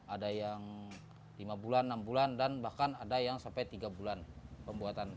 ada yang lima bulan enam bulan dan bahkan ada yang sampai tiga bulan pembuatan